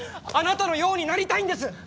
あなたのようになりたいんです！